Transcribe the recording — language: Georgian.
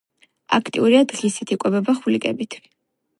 აქტიურია დღისით, იკვებება ხვლიკებით.